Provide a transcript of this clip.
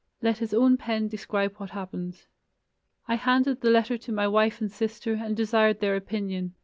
Let his own pen describe what happened: "I handed the letter to my wife and sister and desired their opinion....